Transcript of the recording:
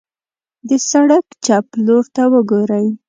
د سړک چپ لورته وګورئ.